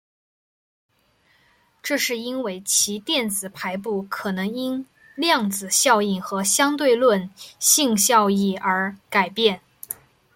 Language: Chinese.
这是因为其电子排布可能因量子效应和相对论性效应而改变。